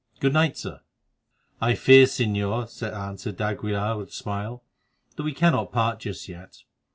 Good night, Sir." "I fear, Señor," answered d'Aguilar with a smile, "that we cannot part just yet.